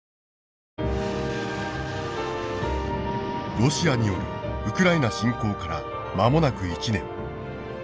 ロシアによるウクライナ侵攻から間もなく１年。